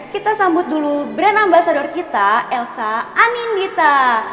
kita sambut dulu brand ambasador kita elsa amin gita